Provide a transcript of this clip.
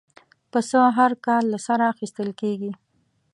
پسه هر کال له سره اخېستل کېږي.